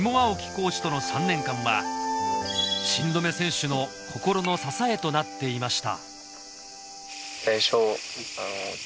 コーチとの３年間は新留選手の心の支えとなっていました